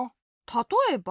たとえば？